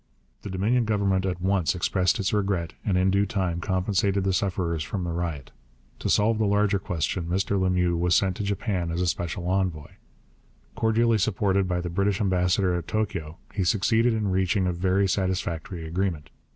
The Dominion Government at once expressed its regret and in due time compensated the sufferers from the riot. To solve the larger question, Mr Lemieux was sent to Japan as a special envoy. Cordially supported by the British ambassador at Tokio, he succeeded in reaching a very satisfactory agreement.